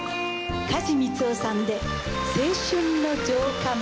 梶光夫さんで『青春の城下町』。